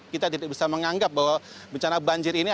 kita tidak bisa menganggap bahwa bencana banjir ini